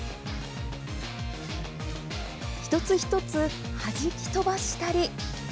一つ一つ弾き飛ばしたり。